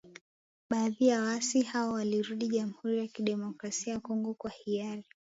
Baadhi ya waasi hao walirudi jamhuri ya kidemokrasia ya Kongo kwa hiari